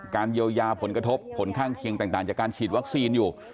เยียวยาผลกระทบผลข้างเคียงต่างจากการฉีดวัคซีนอยู่